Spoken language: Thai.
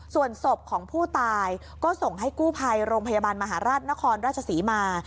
ส่วนศพของผู้ตายก็ส่งให้กู้ภัยโรงพยาบาลมหาราชนครราชศรีมา